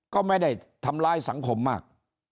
ก็ไม่ได้ทำร้ายสังคมมาก